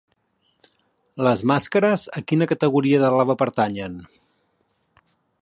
Les màscares a quina categoria de roba pertanyen?